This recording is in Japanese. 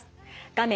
画面